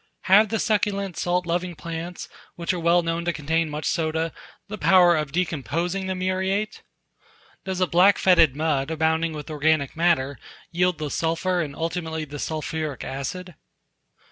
Have the succulent, salt loving plants, which are well known to contain much soda, the power of decomposing the muriate? Does the black fetid mud, abounding with organic matter, yield the sulphur and ultimately the sulphuric acid?